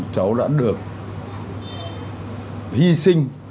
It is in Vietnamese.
cháu đã được hy sinh